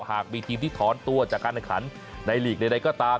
หากมีทีมที่ถอนตัวจากการแข่งขันในลีกใดก็ตาม